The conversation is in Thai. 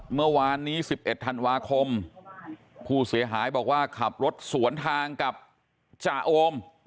เมื่อวานนี้๑๑ธันวาคมผู้เสียหายบอกว่าขับรถสวนทางกับจ่าโอม